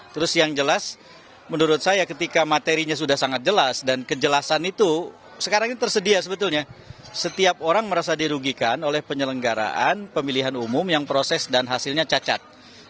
terus yang jelas menurut saya ketika materinya sudah sangat jelas dan kejelasan itu sekarang ini tersedia sebetulnya setiap orang merasa dirugikan oleh penyelenggaraan pemilihan umum yang proses dan hasilnya cacat